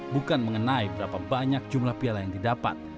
bukan mengenai berapa banyak jumlah piala yang didapat